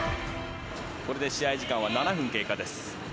これで試合時間は７分経過です。